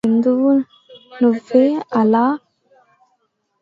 ఎందుకు నువ్వు అలా ప్రవర్తిస్తున్నావు?